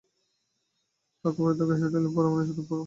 অক্ষয় ভৈরোঁতে গাহিয়া উঠিলেন– পোড়া মনে শুধু পোড়া মুখখানি জাগে রে!